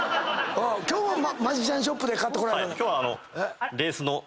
今日もマジシャンショップで買ってこられた？